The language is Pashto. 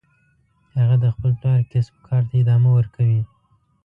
هغه د خپل پلار کسب او کار ته ادامه ورکوي